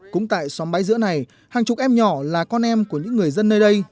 cũng tại xóm bãi giữa này hàng chục em nhỏ là con em của những người dân nơi đây